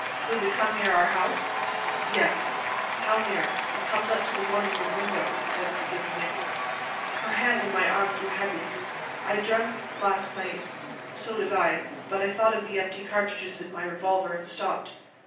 "Does it come near our house?" "Yes." "How near?" "It comes up to the morning room window," said I, giving in. Her hand on my arm grew heavy. "I dreamed last night " "So did I " but I thought of the empty cartridges in my revolver, and stopped.